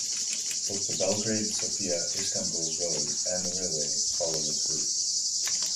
Both the Belgrade-Sofia-Istanbul road and the railway follow this route.